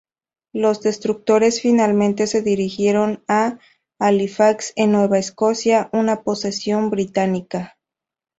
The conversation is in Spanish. Los destructores finalmente se dirigieron a Halifax en Nueva Escocia, una posesión británica.